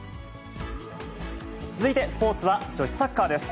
続いてスポーツは女子サッカーです。